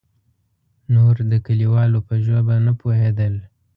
نور د کليوالو په ژبه نه پوهېدل.